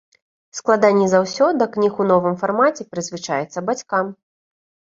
Складаней за ўсё да кніг у новым фармаце прызвычаіцца бацькам.